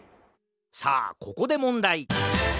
さあここでもんだい！